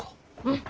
うん。